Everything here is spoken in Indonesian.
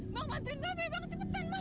bang bantuin mbak bi bang cepetan bang